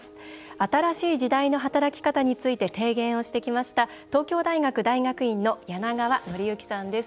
新しい時代の働き方について提言してきました東京大学大学院の柳川範之さんです。